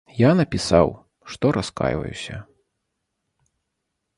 Я напісаў, што раскайваюся.